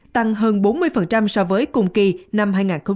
tăng hơn bốn mươi so với cùng kỳ năm hai nghìn một mươi tám